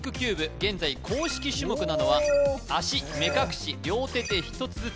現在公式種目なのは足目隠し両手で１つずつ